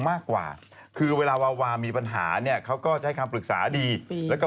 มากกว่าคือเวลาวาวามีปัญหาเนี่ยเขาก็จะให้คำปรึกษาดีแล้วก็